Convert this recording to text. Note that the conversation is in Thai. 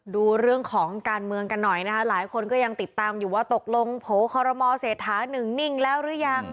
ดูเรื่องของการเมืองกันหน่อยนะคะหลายคนก็ยังติดตามอยู่ว่าตกลงโผล่คอรมอเศรษฐานึงนิ่งแล้วหรือยัง